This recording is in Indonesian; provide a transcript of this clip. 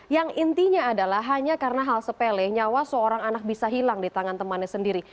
yang intinya adalah hanya karena hal sepele nyawa seorang anak bisa hilang di tangan temannya sendiri